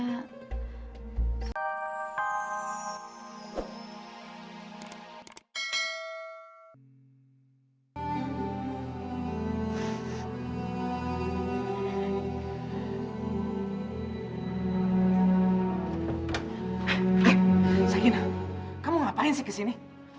sagina kamu ngapain sih kesini